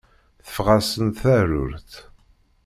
Teffeɣ-asen-d teεrurt.